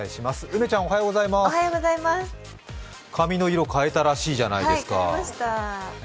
梅ちゃん、髪の色、変えたらしいじゃないですか。